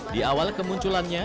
di awal kemunculannya